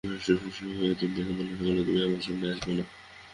আমার শ্বশুরসাহেব একদিন আমাকে ডেকে বললেন, সকালবেলায় তুমি আমার সামনে আসবা না।